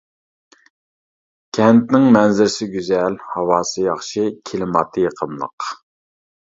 كەنتنىڭ مەنزىرىسى گۈزەل، ھاۋاسى ياخشى، كىلىماتى يېقىملىق.